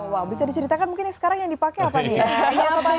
wow bisa diceritakan mungkin sekarang yang dipakai apa nih